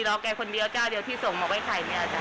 รอแกคนเดียวเจ้าเดียวที่ส่งมาไว้ขาย